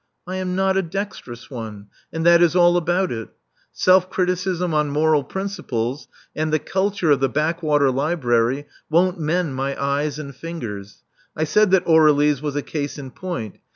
I am not a dexterous one; and that is all about it: self criticism on moral principles, and the culture of the backwater library won't mend my eyes and fingers. I said that Aurelie's was a case in point.